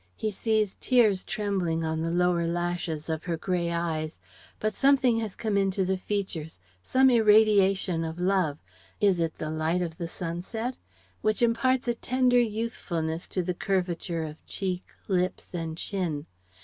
He sees tears trembling on the lower lashes of her grey eyes, but something has come into the features, some irradiation of love is it the light of the sunset? which imparts a tender youthfulness to the curvature of cheek, lips and chin.